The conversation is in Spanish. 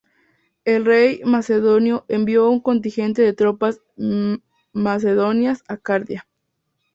El rey macedonio envió un contingente de tropas macedonias a Cardia.